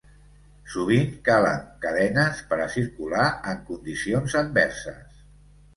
Sovint calen cadenes per a circular en condicions adverses.